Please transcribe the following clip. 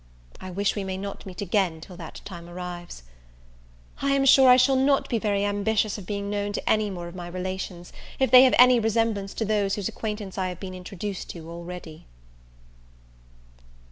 I wish we may not meet again till that time arrives. I am sure I shall not be very ambitious of being known to any more of my relations, if they have any resemblance to those whose acquaintance I have been introduced to already.